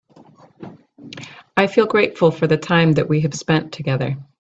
I feel grateful for the time that we have spend together.